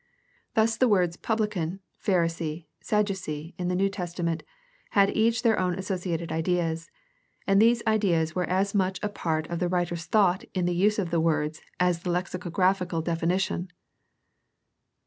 Thus the words "publican," "Pharisee," Sadducee" in the New Testament had each their own associated ideas, and these ideas were as much a part of the writer's thought in the use of words as the lexicographical definition.